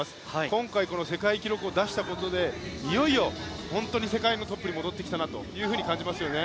今回、世界記録を出したことでいよいよ本当に世界のトップに戻ってきたなと感じますよね。